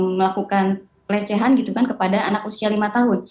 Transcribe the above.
melakukan pelecehan gitu kan kepada anak usia lima tahun